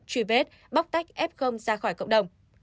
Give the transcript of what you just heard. truy vết bóc tách f ra khỏi cộng đồng